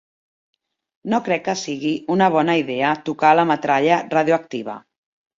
No crec que sigui una bona idea tocar la metralla radioactiva.